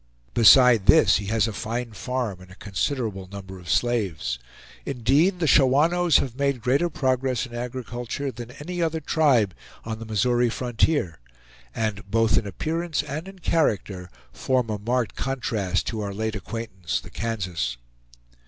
Beside this, he has a fine farm and a considerable number of slaves. Indeed the Shawanoes have made greater progress in agriculture than any other tribe on the Missouri frontier; and both in appearance and in character form a marked contrast to our late acquaintance, the Kansas.